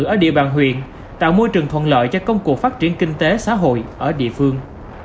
ở địa bàn huyện tạo môi trường thuận lợi cho công cuộc phát triển kinh tế xã hội ở địa phương